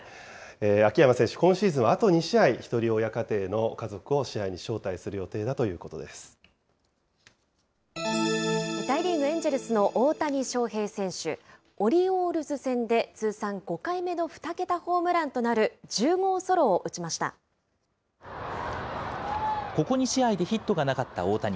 秋山選手、今シーズン、あと２試合、ひとり親家庭の家族を試合に招待する予定大リーグ・エンジェルスの大谷翔平選手、オリオールズ戦で通算５回目の２桁ホームランとなるここ２試合でヒットがなかった大谷。